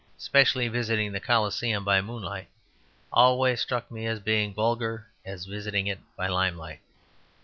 Specially visiting the Coliseum by moonlight always struck me as being as vulgar as visiting it by limelight.